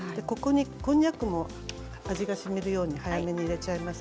こんにゃくも味がしみるように早めに入れちゃいます。